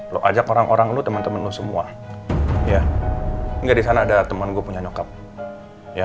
lu ajak orang orang lu teman teman lu semua ya nggak di sana ada teman gue punya nyokap ya